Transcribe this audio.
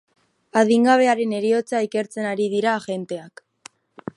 Adingabearen heriotza ikertzen ari dira agenteak.